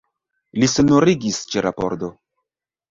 Li sonorigis ĉe la pordo.